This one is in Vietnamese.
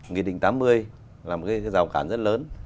nghị định tám mươi là một rào cản rất lớn